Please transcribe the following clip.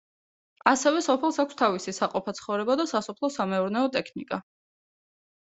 ასევე სოფელს აქვს თავისი საყოფაცხოვრებო და სასოფლო-სამეურნეო ტექნიკა.